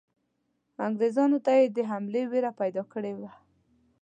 انګریزانو ته یې د حملې وېره پیدا کړې وه.